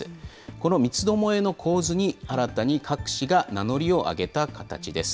この三つどもえの構図に、新たに郭氏が名乗りを上げた形です。